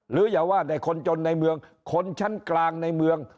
อย่าว่าแต่คนจนในเมืองคนชั้นกลางในเมือง